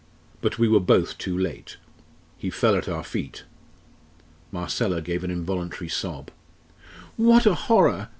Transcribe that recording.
But we were both too late. He fell at our feet!" Marcella gave an involuntary sob! "What a horror!"